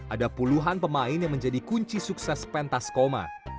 ada puluhan pemain yang menjadi kunci sukses pentas koma